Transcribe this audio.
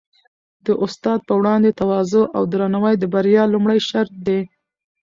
د استاد په وړاندې تواضع او درناوی د بریا لومړی شرط دی.